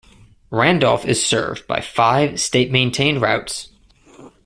Randolph is served by five state-maintained routes.